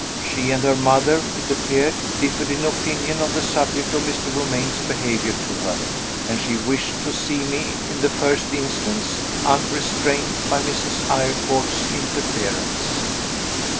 She and her mother, it appeared, differed in opinion on the subject of Mr. Romayne's behavior to her; and she wished to see me, in the first instance, unrestrained by Mrs. Eyrecourt's interference.